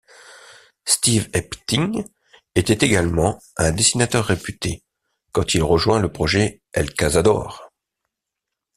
Steve Epting était également un dessinateur réputé quand il rejoint le projet El Cazador.